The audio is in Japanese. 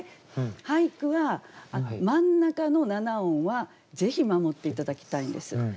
俳句は真ん中の７音はぜひ守って頂きたいんです。